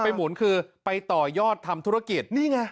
หมุนคือไปต่อยอดทำธุรกิจนี่ไง